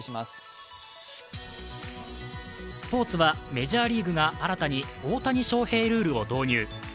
スポーツはメジャーリーグが新たに大谷翔平ルールを導入。